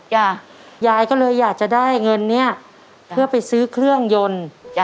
ยายยายก็เลยอยากจะได้เงินเนี้ยเพื่อไปซื้อเครื่องยนต์